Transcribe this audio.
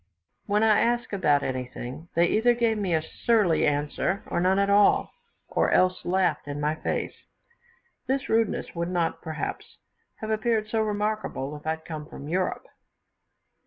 When I asked about anything, they either gave me a surly answer, or none at all, or else laughed in my face. This rudeness would not, perhaps, have appeared so remarkable if I had come from Europe.